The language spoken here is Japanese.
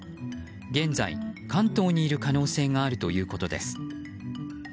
現在、関東にいる可能性があるということです。